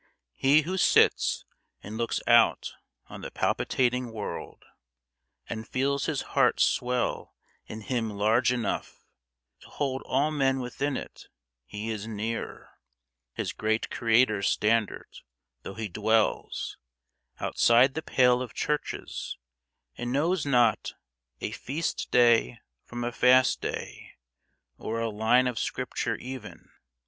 He who sits And looks out on the palpitating world, And feels his heart swell in him large enough To hold all men within it, he is near His great Creator's standard, though he dwells Outside the pale of churches, and knows not A feast day from a fast day, or a line Of Scripture even.